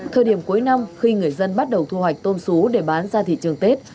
thời điểm cuối năm khi người dân bắt đầu thu hoạch tôm xú để bán ra thị trường tết